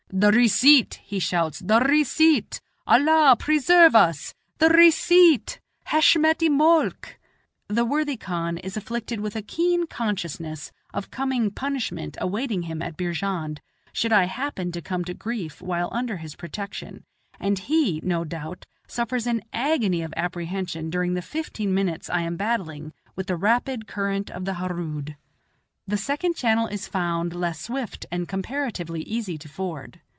"The receipt!" he shouts, "the receipt! Allah preserve us! the receipt; Hesh met i Molk." The worthy khan is afflicted with a keen consciousness of coming punishment awaiting him at Beerjand, should I happen to come to grief while under his protection, and he, no doubt, suffers an agony of apprehension during the fifteen minutes I am battling with the rapid current of the Harood. The second channel is found less swift and comparatively easy to ford.